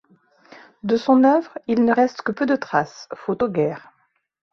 De son œuvre, il ne reste que peu de traces, faute aux guerres.